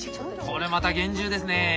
これまた厳重ですね。